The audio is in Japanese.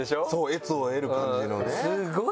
悦を得る感じのね。